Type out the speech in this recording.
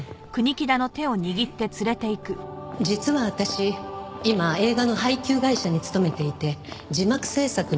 実は私今映画の配給会社に勤めていて字幕制作の責任者をしてるの。